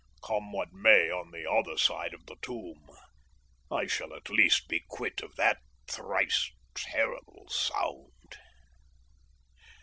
Come what may on the other side of the tomb, I shall at least be quit of that thrice terrible sound.